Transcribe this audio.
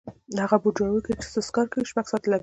هغه بوټ جوړونکی چې سست کار کوي شپږ ساعته لګوي.